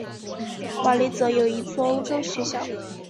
瓦雷泽有一座欧洲学校。